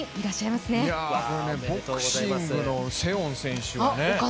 ボクシングのセオン選手。